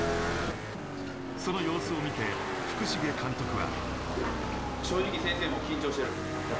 その様子を見て福重監督は。